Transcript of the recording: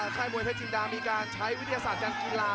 ช่ายมวยเทศจิมดามีการใช้วิทยาศาจจันทร์กีฬา